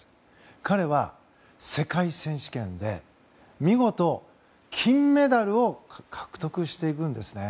彼は、世界選手権で見事、金メダルを獲得していくんですね。